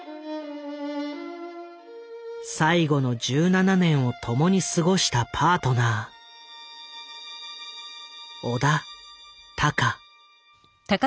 最後の１７年を共に過ごしたパートナー小田貴月。